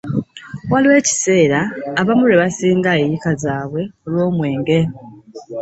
Waaliwo ekiseera abamu lwe basinga eyiika zaabwe olw'omwenge